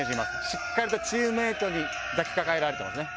しっかりとチームメートに抱きかかえられてますね。